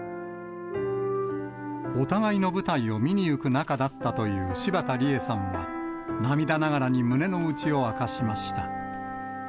お互いの舞台を見に行く仲だったという柴田理恵さんは、涙ながらに胸の内を明かしました。